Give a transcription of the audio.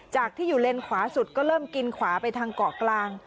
ที่อยู่เลนขวาสุดก็เริ่มกินขวาไปทางเกาะกลาง